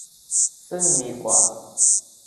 ซึ่งมีกว่า